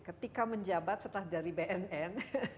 ketika menjabat setelah dari bnn